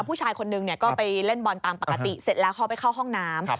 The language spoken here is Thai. ผู้ชายคนนึงก็ไปเล่นบอลตามปกติเสร็จแล้วเขาไปเข้าห้องน้ำ